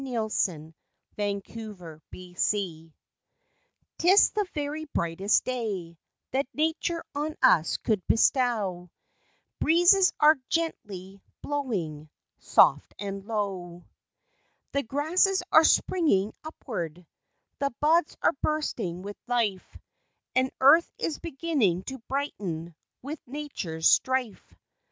60 LIFE WAVES A DAY Tis the very brightest day, That nature on us could bestow, Ereezes are gently blowing Soft and low. The grasses are springing upward, The buds are bursting with life, And earth is beginning to brighten, With natures strife.